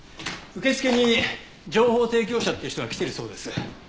受付に情報提供者っていう人が来ているそうです。